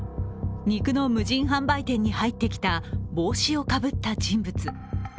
肉の無人販売店に入ってきた帽子をかぶった人物。